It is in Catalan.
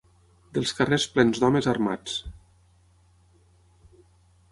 Dels carrers plens d'homes armats